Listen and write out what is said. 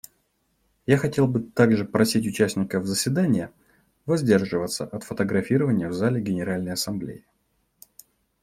Я хотел бы также просить участников заседания воздерживаться от фотографирования в зале Генеральной Ассамблеи.